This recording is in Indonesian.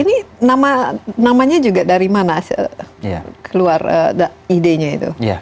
ini namanya juga dari mana keluar idenya itu